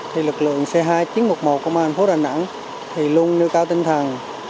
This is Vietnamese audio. thì lực lượng c hai chín trăm một mươi một của thành phố đà nẵng thì luôn nưu cao tinh thần